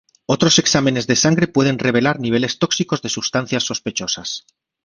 Otros exámenes de sangre pueden revelar niveles tóxicos de substancias sospechosas.